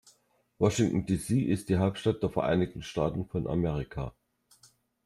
Washington, D.C. ist die Hauptstadt der Vereinigten Staaten von Amerika.